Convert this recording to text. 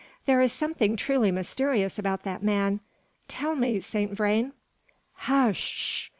"There is something truly mysterious about that man. Tell me, Saint Vrain " "Hush sh!